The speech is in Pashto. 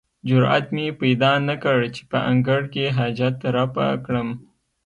جرئت مې پیدا نه کړ چې په انګړ کې حاجت رفع کړم.